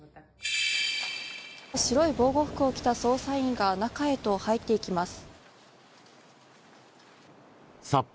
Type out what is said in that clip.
白い防護服を着た捜査員が中へと入っていきます。